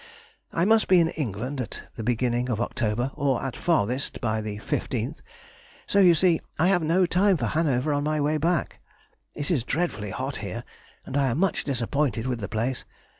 I must be in England in the beginning of October, or at farthest by the 15th. So, you see, I have no time for Hanover on my way back. It is dreadfully hot here, and I am much disappointed with the place.